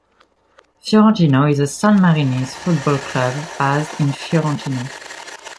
Fiorentino is a Sanmarinese football club, based in Fiorentino.